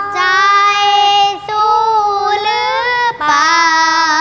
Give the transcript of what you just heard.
ใจสู้หรือเปล่า